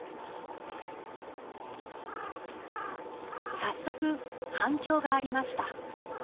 早速反響がありました。